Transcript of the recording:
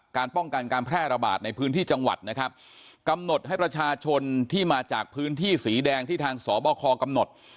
การป้องกันการแพร่ระบาดในพื้นที่จังหวัดนะครับกำหนดให้ประชาชนที่มาจากพื้นที่สีแดงที่ทางสบคกำหนด